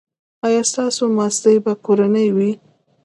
ایا ستاسو ماستې به کورنۍ وي؟